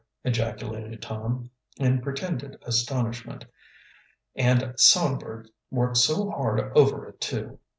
ejaculated Tom, in pretended astonishment. "And Songbird worked so hard over it, too!